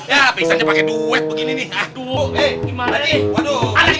ya pingsannya pakai duet begini nih